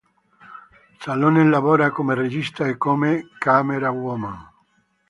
Salonen lavora come regista e come camerawoman.